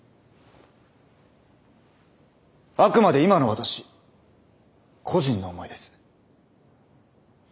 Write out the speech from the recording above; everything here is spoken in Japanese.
あくまで今の私個人の思いです。